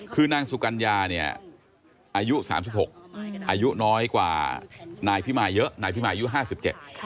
คือนางสุกัญญาเนี่ยอายุ๓๖อายุน้อยกว่านายพี่มายเยอะนายพี่มายอายุ๕๗